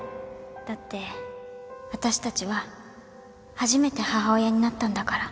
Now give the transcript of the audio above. だって私たちは初めて母親になったんだから